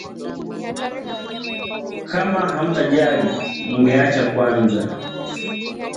Kama hamtajali mngeacha kwanza